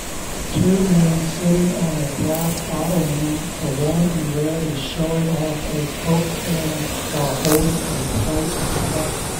Two men sitting on a black ottoman the one in red is showing off a coke can while holding a plate of pretzels